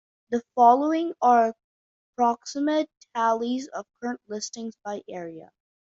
The following are approximate tallies of current listings by area.